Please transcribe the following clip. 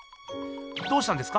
どうしたんですか？